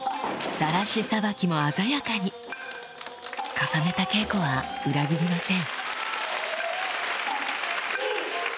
さらしさばきも鮮やかに重ねた稽古は裏切りません